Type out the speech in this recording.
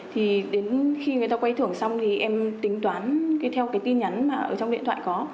thì đến khi người ta quay thưởng xong thì em tính toán theo cái tin nhắn mà ở trong điện thoại có